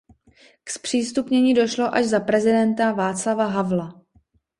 K zpřístupnění došlo až za prezidenta Václava Havla.